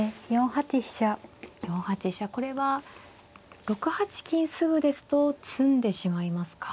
４八飛車これは６八金直ですと詰んでしまいますか。